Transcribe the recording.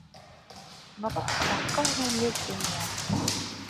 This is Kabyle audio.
Nruḥ ɣer lqahwa-nni i k-d-nniɣ.